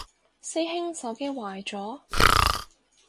師兄手機壞咗？